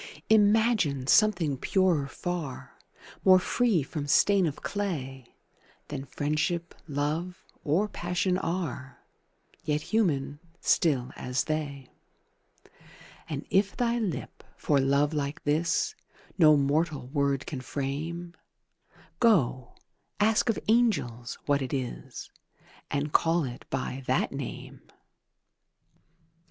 Imagine something purer far, More free from stain of clay Than Friendship, Love, or Passion are, Yet human, still as they: And if thy lip, for love like this, No mortal word can frame, Go, ask of angels what it is, And call it by that name!